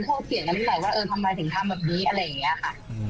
โทษเสียงนั้นหน่อยว่าเออทำไมถึงทำแบบนี้อะไรอย่างเงี้ยค่ะ